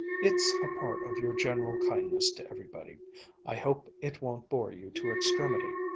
It's a part of your general kindness to everybody. I hope it won't bore you to extremity.